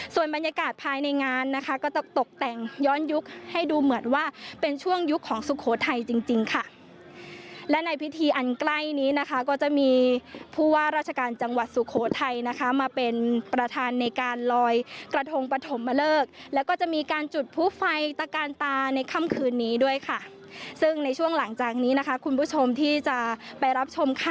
ส่วนบรรยากาศภายในงานนะคะก็จะตกแต่งย้อนยุคให้ดูเหมือนว่าเป็นช่วงยุคของสุโขทัยจริงจริงค่ะและในพิธีอันใกล้นี้นะคะก็จะมีผู้ว่าราชการจังหวัดสุโขทัยนะคะมาเป็นประธานในการลอยกระทงปฐมเลิกแล้วก็จะมีการจุดผู้ไฟตะกานตาในค่ำคืนนี้ด้วยค่ะซึ่งในช่วงหลังจากนี้นะคะคุณผู้ชมที่จะไปรับชมค่ะ